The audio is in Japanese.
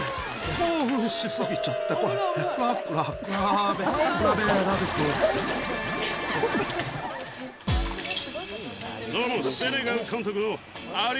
興奮しすぎちゃったこれ。